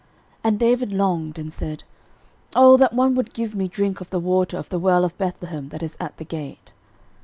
13:011:017 And David longed, and said, Oh that one would give me drink of the water of the well of Bethlehem, that is at the gate!